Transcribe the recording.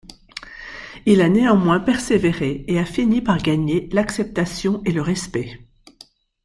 Il a néanmoins persévéré et a fini par gagner l'acceptation et le respect.